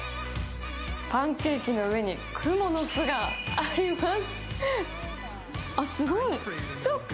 パンケーキの上にくもの巣があります。